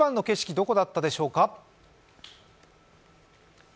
どこだったでしょうか。